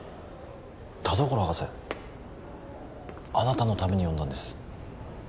田所博士あなたのために呼んだんです